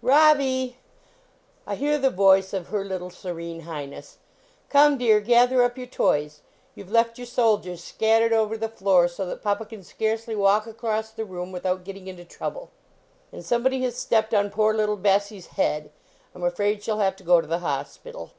" Robbie!" I hear the voice of Her Lit tle Serene Highness, " Come dear, gather up your toys. You ve left your soldiers scat tered over the floor so that papa can scarcely walk across the room without getting into trouble. And somebody has stepped on poor little Bessie s head. I m afraid she ll have to go to the hospital."